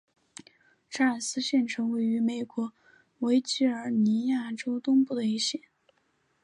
查尔斯城县位美国维吉尼亚州东部的一个县。